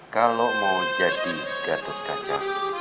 kalau mau jadi gatot kaca